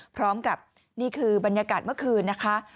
พร้อมกับนี่คือบรรยากาศเมื่อคืนนะคะ